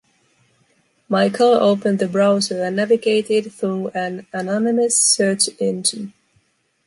Michael opened the browser and navigated through an anonymous search engine.